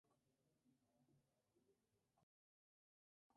En algunas versiones, las aventuras de Juan empiezan con un trato con el diablo.